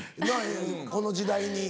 この時代に。